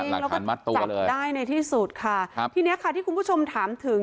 หลักฐานมัดตัวเลยจับได้ในที่สุดค่ะที่นี้ค่ะที่คุณผู้ชมถามถึง